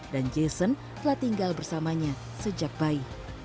dan jason telah tinggal bersamanya sejak bayi